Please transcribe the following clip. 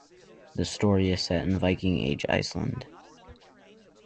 The story is set in Viking Age Iceland.